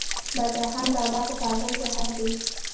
باچا خان بابا په کابل کې خښ دي.